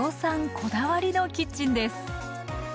こだわりのキッチンです